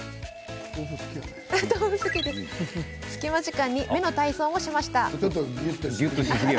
隙間時間に目の体操もしました。